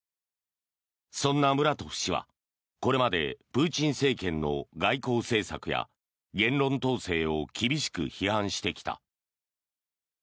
そんなムラトフ氏はこれまでプーチン政権の外交政策や言論統制を厳しく批判してきた。